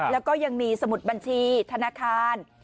แล้วก็ยังมีสมุดบัญชีธนาคาร